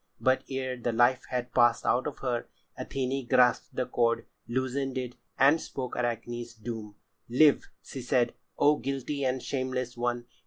But ere the life had passed out of her, Athené grasped the cord, loosened it, and spoke Arachne's doom: "Live!" she said, "O guilty and shameless one!